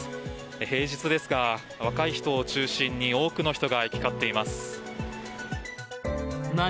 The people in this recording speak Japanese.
平日ですが、若い人を中心に多くの人が行き交っています。